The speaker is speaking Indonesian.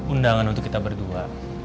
undangan untuk kita berdua